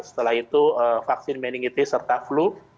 setelah itu vaksin meningitis serta flu